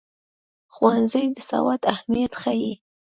ښوونځی د سواد اهمیت ښيي.